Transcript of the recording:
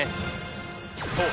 そう。